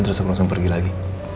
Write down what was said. terus langsung pergi lagi